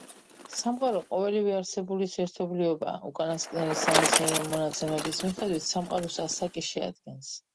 სამყარო — ყოველივე არსებულის ერთობლიობა. უკანასკნელი სამეცნიერო მონაცემების მიხედვით სამყაროს ასაკი შეადგენს